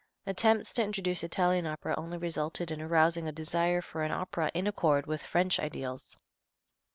Attempts to introduce Italian opera only resulted in arousing a desire for an opera in accord with French ideals.